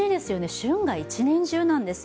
旬が１年中なんです。